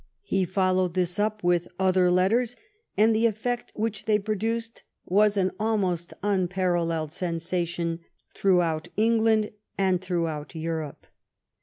He followed this up with other letters, and the effect which they produced was an almost unparalleled sensation throughout England and throughout Europe.